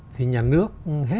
thì nhà nước hết sức khỏe